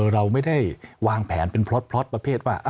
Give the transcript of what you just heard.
เราไม่ได้วางแผนเป็นพล็อตประเภทว่า